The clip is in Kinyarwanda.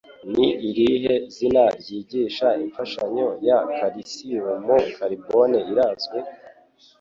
Ni irihe zina ryigisha imfashanyo ya Kalisiyumu Carbone irazwi?